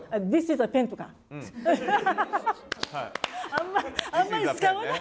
あんまあんまり使わない。